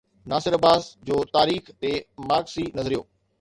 ناصر عباس جو تاريخ تي مارڪسي نظريو آهي.